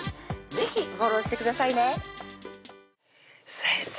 是非フォローしてくださいね先生